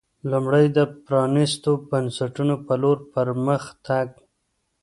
لومړی د پرانېستو بنسټونو په لور پر مخ تګ